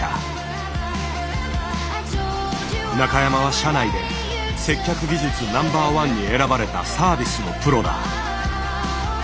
中山は社内で接客技術Ｎｏ．１に選ばれたサービスのプロだ。